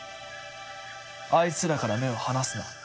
あいつらから目を離すな。